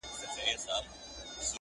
د ځوانیمرګو زړو تاوده رګونه!!